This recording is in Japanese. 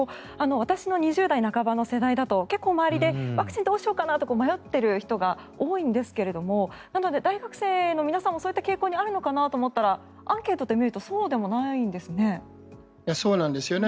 私の２０代半ばの世代だと結構、周りでワクチンどうしようかなとか迷っている人が多いんですがなので、大学生の方もそういった傾向にあるのかなと思ったらアンケートで見るとそうでもないんですね。